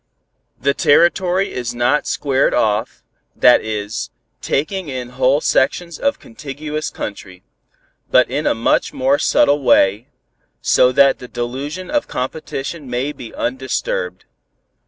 The territory is not squared off, that is, taking in whole sections of contiguous country, but in a much more subtle way, so that the delusion of competition may be undisturbed.